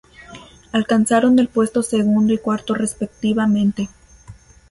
Alcanzaron el puesto segundo y cuarto respectivamente.